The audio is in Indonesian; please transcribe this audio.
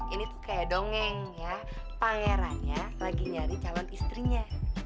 ini tuh kayak dongeng ya pangeran ya lagi nyari calon istrinya